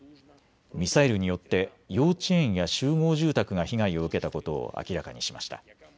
ミサイルによって幼稚園や集合住宅が被害を受けたことを明らかにしました。